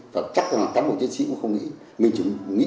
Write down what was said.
và chắc là tác bộ chiến sĩ cũng không nghĩ